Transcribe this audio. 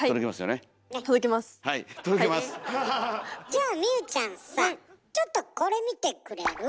じゃあ望結ちゃんさちょっとこれ見てくれる？